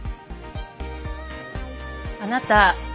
あなた